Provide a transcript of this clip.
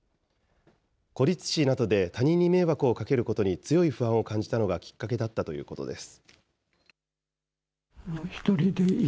孤立死などで他人に迷惑をかけることに強い不安を感じたのがきっかけだったということです。